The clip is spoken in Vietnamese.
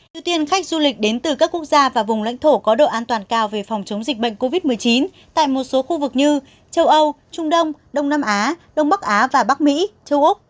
ưu tiên khách du lịch đến từ các quốc gia và vùng lãnh thổ có độ an toàn cao về phòng chống dịch bệnh covid một mươi chín tại một số khu vực như châu âu trung đông đông nam á đông bắc á và bắc mỹ châu úc